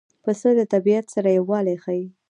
پسه له طبیعت سره یووالی ښيي.